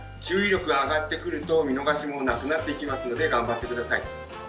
注意力が上がってくると見逃しもなくなってきますので頑張って下さい。